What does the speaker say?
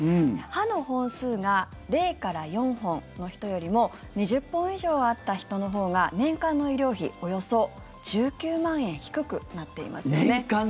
歯の本数が０から４本の人よりも２０本以上あった人のほうが年間の医療費、およそ１９万円低くなっていますよね。